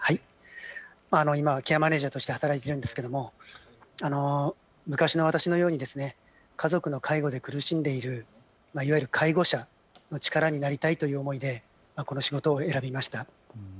今、ケアマネージャーとして働いているんですけれども昔の私のように家族の介護で苦しんでいる、いわゆる介護者の力になりたいという思いでこの仕事を選びました。